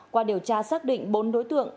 qua điều tra xác định bốn đối tượng